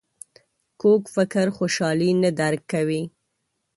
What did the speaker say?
کوږ فکر خوشحالي نه درک کوي